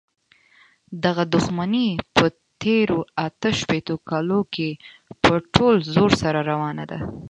دغه دښمني په تېرو اته شپېتو کالونو کې په ټول زور سره روانه ده.